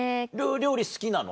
料理好きなの？